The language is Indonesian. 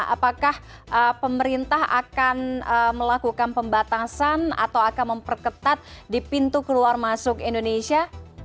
apakah pemerintah akan melakukan pembatasan atau akan memperketat di pintu keluar masuk indonesia